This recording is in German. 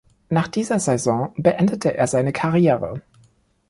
Nach dieser Saison beendete er seine Karriere.